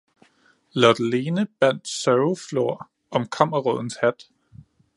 Lotte-lene bandt sørgeflor om kammerrådens hat